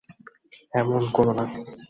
এমন করো না।